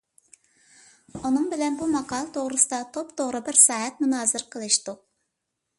ئۇنىڭ بىلەن بۇ ماقالە توغرىسىدا توپتوغرا بىر سائەت مۇنازىرە قىلىشتۇق.